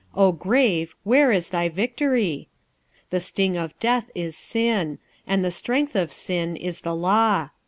O grave, where is thy victory? 46:015:056 The sting of death is sin; and the strength of sin is the law.